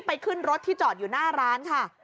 ขึ้นรถที่จอดอยู่หน้าร้านค่ะ